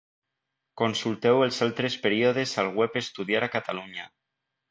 Consulteu els altres períodes al web Estudiar a Catalunya.